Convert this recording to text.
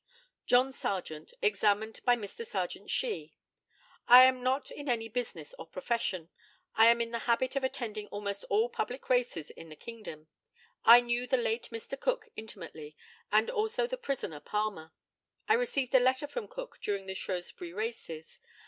JOHN SARGENT, examined by Mr. Sergeant SHEE: I am not in any business or profession. I am in the habit of attending almost all public races in the kingdom. I knew the late Mr. Cook intimately, and also the prisoner Palmer. I received a letter from Cook during the Shrewsbury races.